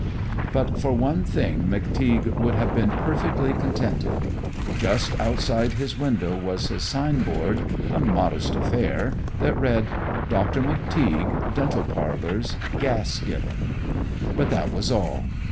"But for one thing McTeague would have been perfectly contented. Just outside his window was his signboard a modest affair that read: 'Doctor McTeague. Dental Parlors. Gas Given;' but that was all.